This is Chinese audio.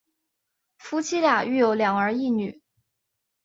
夫妇俩育有两儿一女。